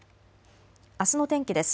あすの天気です。